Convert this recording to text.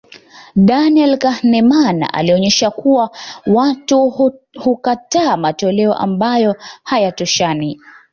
Daniel Kahneman ulionyesha kuwa watu hukataa matoleo ambayo hayatoshani